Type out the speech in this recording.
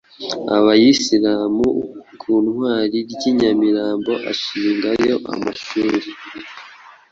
Abayisilamu ku Ntwari ry’i Nyamirambo, ashinga yo amashuri